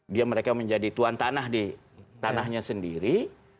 dia mereka menjadi tuan tanah di tanahnya sendiri